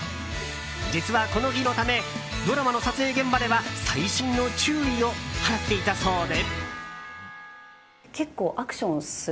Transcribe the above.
実は、この日のためドラマの撮影現場では細心の注意を払っていたそうで。